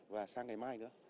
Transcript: và sang ngày mai nữa